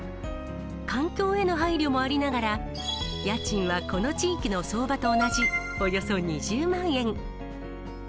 環境への配慮もありながら、家賃はこの地域の相場と同じ、およそ２０万円。